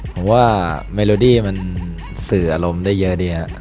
ผมว่าเมโลดี้มันสื่ออารมณ์ได้เยอะดีครับ